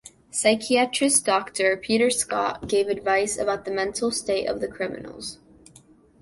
Psychiatrist Doctor Peter Scott gave advice about the mental state of the criminals.